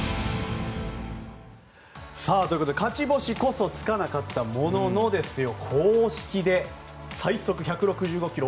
ということで勝ち星こそつかなかったものの公式で最速１６５ｋｍ。